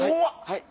はい。